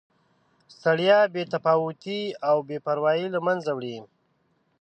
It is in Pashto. ستړیا، بې تفاوتي او بې پروایي له مینځه وړي.